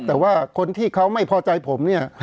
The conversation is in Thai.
แต่ว่าคนที่เขาไม่พอใจผมเนี่ย